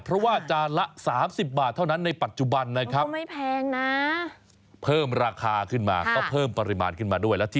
เพราะว่าจานละ๓๐บาทเท่านั้นในปัจจุบันนะครับ